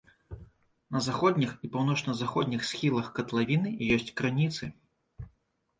На заходніх і паўночна-заходніх схілах катлавіны ёсць крыніцы.